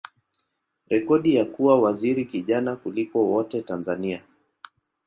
rekodi ya kuwa waziri kijana kuliko wote Tanzania.